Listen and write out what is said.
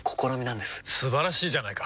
素晴らしいじゃないか！